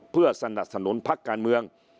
เพื่อสนับสนุนพักการเมือง